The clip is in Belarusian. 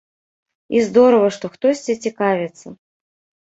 І здорава, што хтосьці цікавіцца.